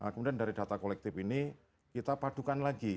kemudian dari data kolektif ini kita padukan lagi